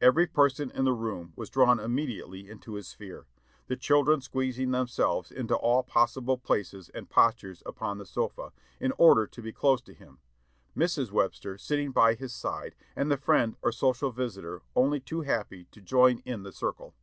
Every person in the room was drawn immediately into his sphere. The children squeezing themselves into all possible places and postures upon the sofa, in order to be close to him; Mrs. Webster sitting by his side, and the friend or social visitor only too happy to join in the circle.